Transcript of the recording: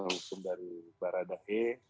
hukum dari baradai